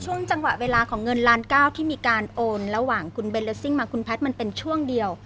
ช่วงจังหวะเวลาของเงินล้านเก้าที่มีการโอนระหว่างคุณเบนเลสซิ่งมาคุณแพทย์มันเป็นช่วงเดียว